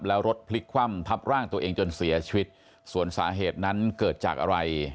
แล้วรถพลิกคว่ำทับร่างตัวเองจนเสียชีวิตส่วนสาเหตุนั้นเกิดจากอะไร